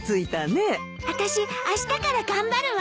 あたしあしたから頑張るわ。